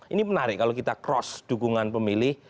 ini menarik kalau kita cross dukungan pemilih